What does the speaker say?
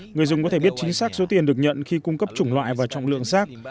người dùng có thể biết chính xác số tiền được nhận khi cung cấp chủng loại và trọng lượng rác